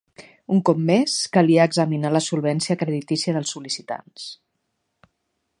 Un cop més, calia examinar la solvència creditícia dels sol·licitants.